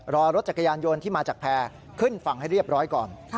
รอรถจักรยานยนต์ที่มาจากแพร่ขึ้นฝั่งให้เรียบร้อยก่อน